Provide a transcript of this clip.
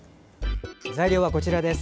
材料はこちらです。